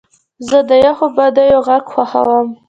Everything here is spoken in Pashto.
زه د یخو بادیو غږ خوښوم.